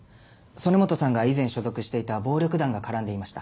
曽根本さんが以前所属していた暴力団が絡んでいました。